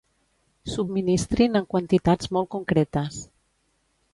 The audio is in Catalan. Subministrin en quantitats molt concretes.